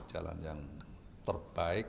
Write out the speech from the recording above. jalan yang terbaik